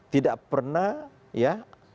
tidak pernah ya